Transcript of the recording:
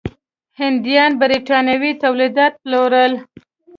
هندیان برېټانوي تولیدات پلورل.